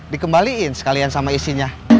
dikembaliin sekalian sama isinya